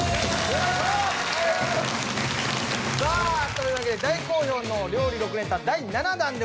さあというわけで大好評の料理６連単第７弾でございます。